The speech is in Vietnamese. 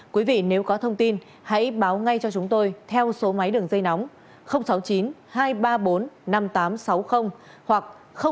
quý vị nếu có thông tin hãy báo ngay cho chúng tôi theo số máy đường dây nóng sáu mươi chín hai trăm ba mươi bốn năm nghìn tám trăm sáu mươi hoặc sáu mươi chín hai trăm ba mươi hai một nghìn sáu trăm